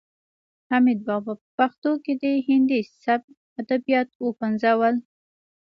حمید بابا په پښتو کې د هندي سبک ادبیات وپنځول.